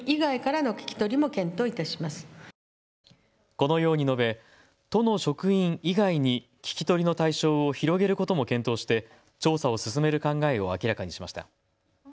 このように述べ都の職員以外に聞き取りの対象を広げることも検討して調査を進める考えを明らかにしました。